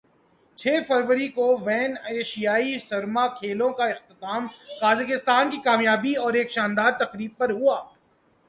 چھ فروری کو ویں ایشیائی سرما کھیلوں کا اختتام قازقستان کی کامیابیوں اور ایک شاندار تقریب پر ہوا